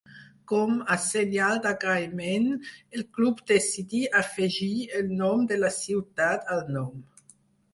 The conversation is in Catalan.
Com a senyal d'agraïment el club decidí afegir el nom de la ciutat al nom.